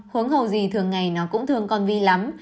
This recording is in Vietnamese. hướng hầu gì thường ngày nó cũng thương con vi lắm